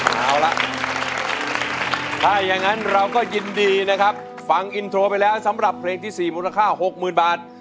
เอาล่ะถ้าอย่างนั้นเราก็ยินดีนะครับฟังอินโทรไปแล้วสำหรับเพลงที่๔มูลค่า๖๐๐๐บาท